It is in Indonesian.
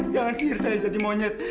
jangan sihir saya jadi monyet